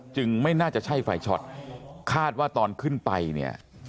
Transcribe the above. ไม่น่าจะใช่ไฟช็อตคาดว่าตอนขึ้นไปเนี่ย